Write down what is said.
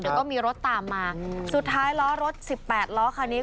เดี๋ยวก็มีรถตามมาสุดท้ายล้อรถสิบแปดล้อคันนี้